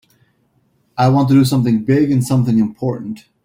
I want to do something big and something important.